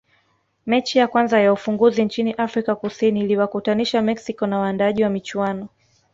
mechi ya kwanza ya ufunguzi nchini afrika kusini iliwakutanisha mexico na waandaaji wa michuano